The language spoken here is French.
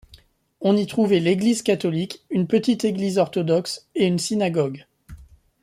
On y trouvait l'église catholique, une petite église orthodoxe et une synagogue.